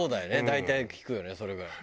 大体聞くよねそれぐらい。